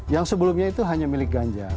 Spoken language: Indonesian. yang sebelumnya itu hanya milik ganjar